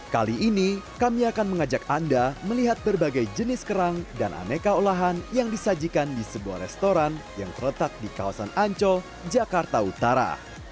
kali ini kami akan mengajak anda melihat berbagai jenis kerang dan aneka olahan yang disajikan di sebuah restoran yang terletak di kawasan ancol jakarta utara